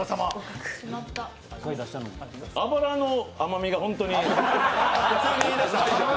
脂の甘みが本当に。